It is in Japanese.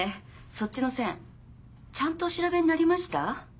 そっちの線ちゃんとお調べになりました？